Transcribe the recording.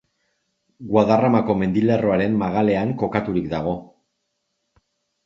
Guadarramako mendilerroaren magalean kokaturik dago.